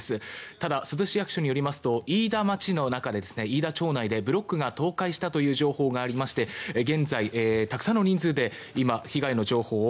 ただ珠洲市役所によりますと市内でブロックが倒壊したという情報がありまして現在、たくさんの人数で被害の情報を